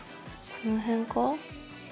この辺かな？